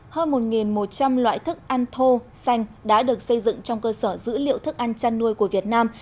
hơn một một trăm linh loại thức ăn thô xanh đã được xây dựng trong cơ sở dữ liệu thức ăn chăn nuôi của việt nam